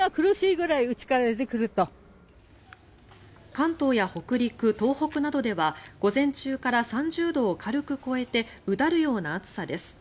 関東や北陸、東北などでは午前中から３０度を軽く超えてうだるような暑さです。